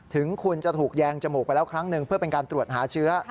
ถึงคุณจะถูกแยงจมูกไปแล้วครั้งหนึ่งเพื่อเป็นการตรวจหาเชื้อ